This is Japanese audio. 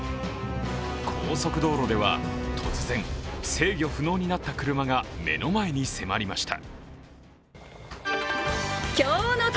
高速道路では突然、制御不能になった車が目の前に迫りました。